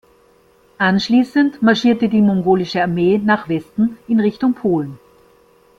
Anschließend marschierte die mongolische Armee nach Westen, in Richtung Polen.